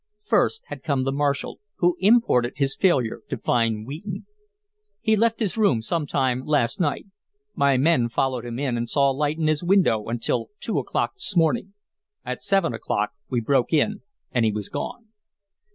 First had come the marshal, who imported his failure to find Wheaton. "He left his room some time last night. My men followed him in and saw a light in his window until two o'clock this morning. At seven o'clock we broke in and he was gone."